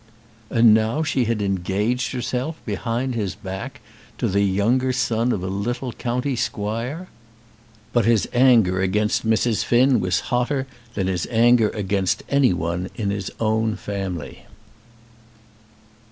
And now she had engaged herself, behind his back, to the younger son of a little county squire! But his anger against Mrs. Finn was hotter than his anger against any one in his own family.